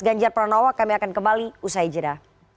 ganjar pranowo kami akan kembali usai jeda